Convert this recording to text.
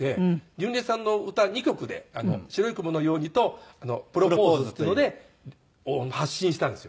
純烈さんの歌２曲で『白い雲のように』と『プロポーズ』というので発信したんですよ。